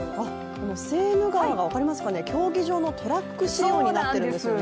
セーヌ川が分かりますかね、競技場のトラック仕様になってるんですね。